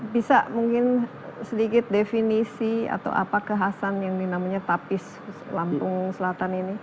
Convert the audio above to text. bisa mungkin sedikit definisi atau apa kehasan yang dinamanya tapis lampung selatan ini